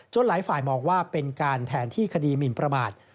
หลายฝ่ายมองว่าเป็นการแทนที่คดีหมินประมาท